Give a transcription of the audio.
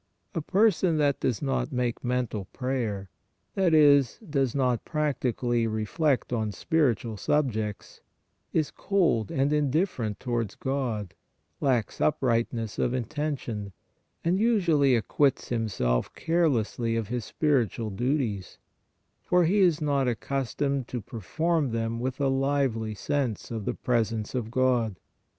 A person that does not make mental prayer, that is, does not practically reflect on spiritual subjects, is cold and indifferent towards God, lacks uprightness of intention, and usually acquits himself carelessly of his spiritual duties, for he is not accustomed to perform them with a lively sense of the presence of God.